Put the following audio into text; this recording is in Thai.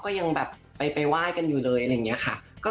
ก็ยังแบบไปไหว้กันอยู่เลยอะไรอย่างนี้ค่ะ